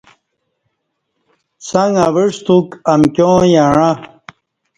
څݣ اوعستوک امکیاں یعݩہ